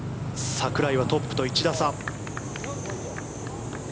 櫻井はトップと１打差。